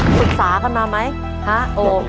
ศึกษากันมามั้ยออบ